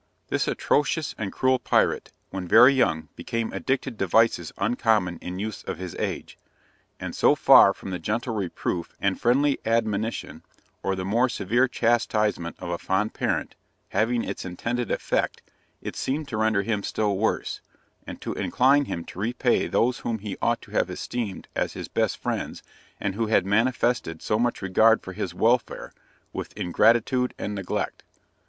This atrocious and cruel pirate, when very young became addicted to vices uncommon in youths of his age, and so far from the gentle reproof and friendly admonition, or the more severe chastisement of a fond parent, having its intended effect, it seemed to render him still worse, and to incline him to repay those whom he ought to have esteemed as his best friends and who had manifested so much regard for his welfare, with ingratitude and neglect.